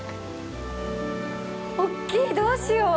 大きい、どうしよう。